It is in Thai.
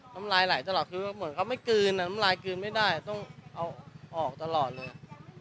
น้ำลายไหลตลอดคือเหมือนเขาไม่กลืนน้ำลายกลืนไม่ได้ต้องเอาออกตลอดเลย